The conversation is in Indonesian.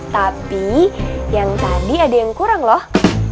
tapi yang tadi ada yang kurang loh